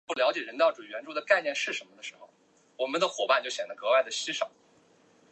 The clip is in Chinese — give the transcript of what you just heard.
救救他这一次吧